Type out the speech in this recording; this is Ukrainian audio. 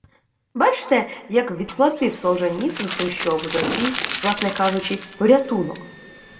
Бачите, як відплатив Солженіцин Хрущову за свій, власне кажучи, порятунок